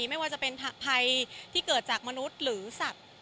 ไม่ว่าจะเป็นภัยที่เกิดจากมนุษย์หรือสัตว์